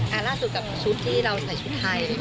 ล่าสุดกับชุดที่เราใส่ชุดไทย